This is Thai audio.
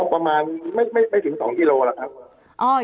ประมาณไม่ถึง๒กิโลแล้วครับ